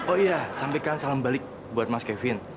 oh iya sampaikan salam balik buat mas kevin